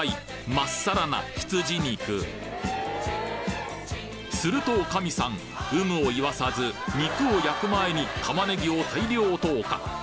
まっさらな羊肉すると女将さん有無を言わさず肉を焼く前に玉ねぎを大量投下